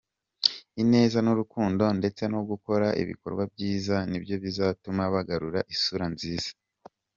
Ineza n’urukundo ndetse no gukora ibikorwa byiza ni byo bizatuma bagarura isura nziza”.